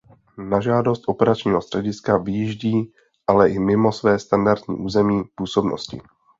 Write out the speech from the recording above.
Na žádost operačního střediska vyjíždí ale i mimo své standardní území působnosti.